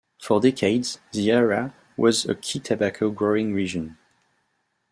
For decades, the area was a key tobacco-growing region.